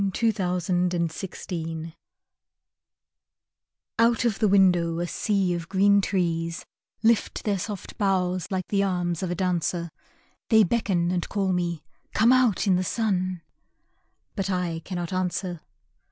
In a Hospital IV Open Windows Out of the window a sea of green trees Lift their soft boughs like the arms of a dancer, They beckon and call me, "Come out in the sun!" But I cannot answer.